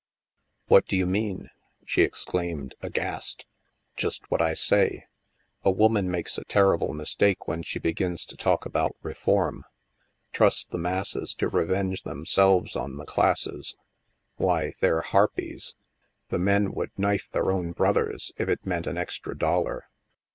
" What do you mean ?" she exclaimed aghast. " Just what I say. A woman makes a terrific mis take when she begins to talk about * Reform.' Trust the masses to revenge themselves on the classes. Why, they're harpies. The men would knife their own brothers, if it meant an extra dol lar.